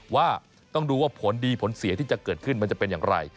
ว่าต้องดูว่าผลดีผลเสียที่จะเกิดขึ้นมันจะเป็นอย่างไร